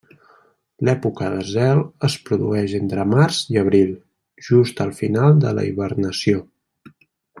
L'època de zel es produeix entre març i abril, just al final de la hibernació.